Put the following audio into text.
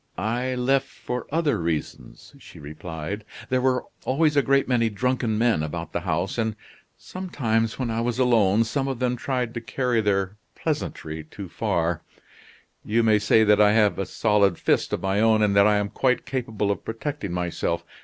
"I left for other reasons," she replied. "There were always a great many drunken men about the house; and, sometimes, when I was alone, some of them tried to carry their pleasantry too far. You may say that I have a solid fist of my own, and that I am quite capable of protecting myself.